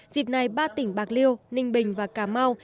dịp này ba tỉnh bạc liêu ninh bình và cà mau